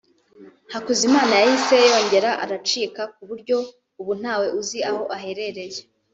Hakuzimana yahise yongera aracika ku buryo ubu ntawe uzi aho aherereye